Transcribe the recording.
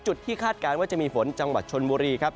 ที่คาดการณ์ว่าจะมีฝนจังหวัดชนบุรีครับ